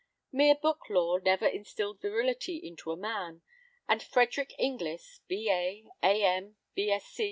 Mere book lore never instilled virility into a man, and Frederick Inglis, B.A., A.M.